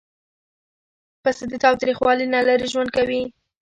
پسه د تاوتریخوالي نه لیرې ژوند خوښوي.